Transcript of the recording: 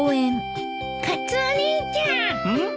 カツオ兄ちゃん。